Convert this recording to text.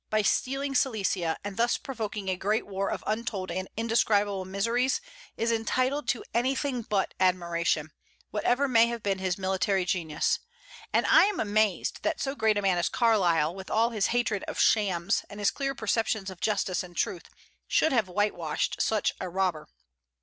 by stealing Silesia, and thus provoking a great war of untold and indescribable miseries, is entitled to anything but admiration, whatever may have been his military genius; and I am amazed that so great a man as Carlyle, with all his hatred of shams, and his clear perceptions of justice and truth, should have whitewashed such a robber.